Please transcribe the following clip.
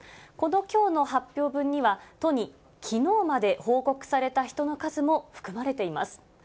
このきょうの発表分には、都にきのうまで報告された人の数も含まれています。